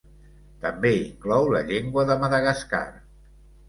També inclou la llengua de Madagascar.